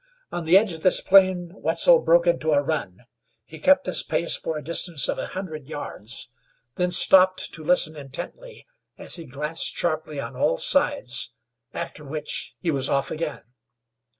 On the edge of this plain Wetzel broke into a run. He kept this pace for a distance of an hundred yards, then stopped to listen intently as he glanced sharply on all sides, after which he was off again.